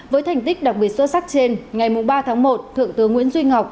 với thành tích đặc biệt xuất sắc trên ngày ba tháng một thượng tướng nguyễn duy ngọc